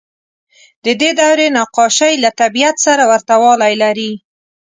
د دې دورې نقاشۍ له طبیعت سره ورته والی لري.